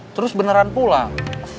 terus beneran pulang